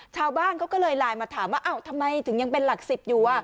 ชาวบ้านเขาก็เลยไลน์มาถามว่าอ้าวทำไมถึงยังเป็นหลัก๑๐อยู่